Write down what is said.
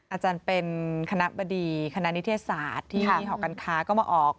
อาจารย์เป็นคณะบดีคณะนิเทศศาสตร์ที่หอการค้าก็มาออก